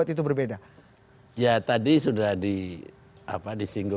kita berteman seharusnya kita kompromi prof